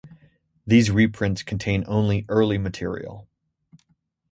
These reprints contain only early material.